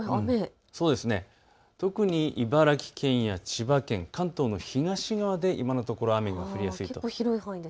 特に茨城県や千葉県、関東の東側で今のところ雨が降りやすい。